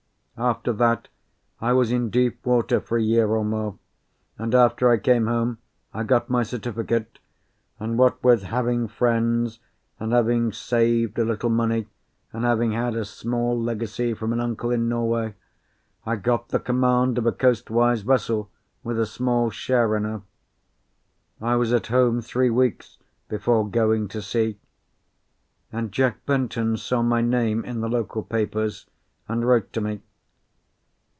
After that I was in deep water for a year or more, and after I came home I got my certificate, and what with having friends and having saved a little money, and having had a small legacy from an uncle in Norway, I got the command of a coastwise vessel, with a small share in her. I was at home three weeks before going to sea, and Jack Benton saw my name in the local papers, and wrote to me.